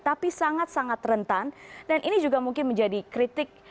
tapi sangat sangat rentan dan ini juga mungkin menjadi kritik